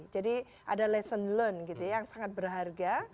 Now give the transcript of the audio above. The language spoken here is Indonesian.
jadi ada lesson learned gitu ya yang sangat berharga